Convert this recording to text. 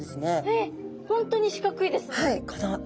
えっ本当に四角いですもん。